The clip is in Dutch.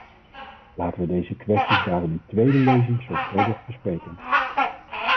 Laten we deze kwesties daarom in tweede lezing zorgvuldig bespreken.